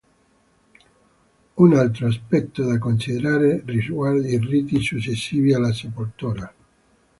Un altro aspetto da considerare riguarda i riti successivi alla sepoltura.